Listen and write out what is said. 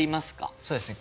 そうですね。